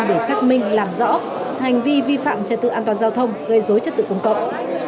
để xác minh làm rõ hành vi vi phạm trật tự an toàn giao thông gây dối trật tự công cộng